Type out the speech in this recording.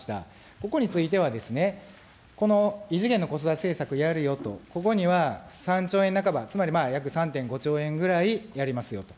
ここについてはですね、異次元の子育て政策やるよと、ここには３兆円半ば３．５兆円ぐらいありますよと。